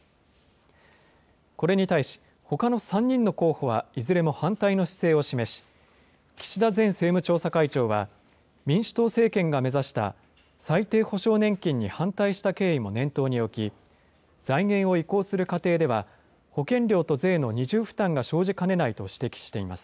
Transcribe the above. これに対し、ほかの３人の候補はいずれも反対の姿勢を示し、岸田前政務調査会長は、民主党政権が目指した最低保障年金に反対した経緯も念頭に置き、財源を移行する過程では、保険料と税の二重負担が生じかねないと指摘しています。